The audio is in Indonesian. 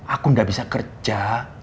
aku gak bisa kerja